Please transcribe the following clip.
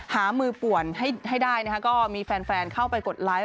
หามือป่วนให้ได้นะคะก็มีแฟนเข้าไปกดไลค์